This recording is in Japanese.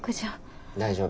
大丈夫。